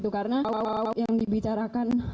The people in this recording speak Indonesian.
karena yang dibicarakan